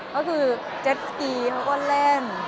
คือเจ็ดสกีเขาเล่น